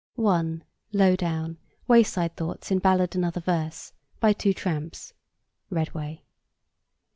(1) Low Down: Wayside Thoughts in Ballad and Other Verse. By Two Tramps. (Redway.)